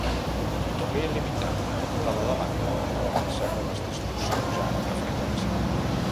O bé, limitar l'amplada de banda per a no percebre les distorsions a alta freqüència.